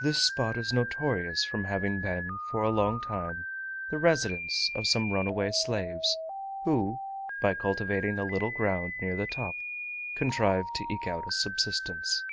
This spot is notorious from having been, for a long time, the residence of some runaway slaves, who, by cultivating a little ground near the top, contrived to eke out a subsistence.